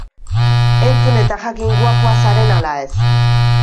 Entzun eta jakin guapoa zaren ala ez!